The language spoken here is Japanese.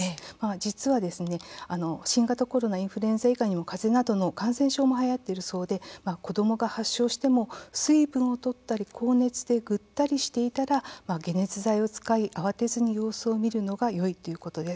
実はですね、新型コロナインフルエンザ以外にもかぜなどの感染症もはやっているそうで子どもが発症しても水分をとったり高熱でぐったりしていたら解熱剤を使い、慌てずに様子を見るのがよいということです。